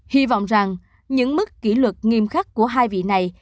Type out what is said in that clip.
hy vọng rằng những mức kỷ luật nghiêm khắc của hai vị này